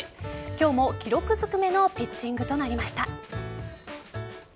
今日も記録ずくめのピッチングとなりました。